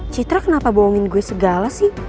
citra kenapa bohongin gue segala sih